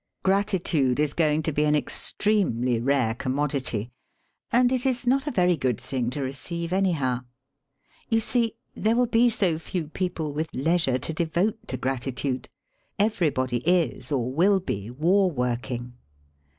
Gratitude is going to be an extremely rare commodity, and it is not a very good thing to receive, anyhow. You see, there will be so few people with leisure to devote to gratitude. Everybody is or will be war working.